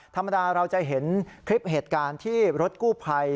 ธรรมดาเราจะเห็นคลิปเหตุการณ์ที่รถกู้ภัย